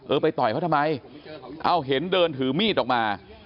ไปต่อยเขาทำไมเอาเห็นเดินถือมีดออกมา